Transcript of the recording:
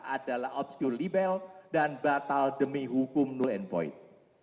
adalah obscurely bel dan batal demi hukum null and void